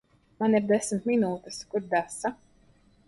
Man ir desmit minūtes. Kur desa?